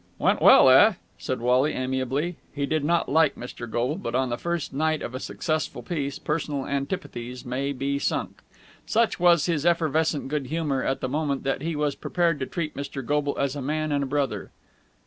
"Went well, eh?" said Wally amiably. He did not like Mr. Goble, but on the first night of a successful piece personal antipathies may be sunk. Such was his effervescent good humour at the moment that he was prepared to treat Mr. Goble as a man and a brother.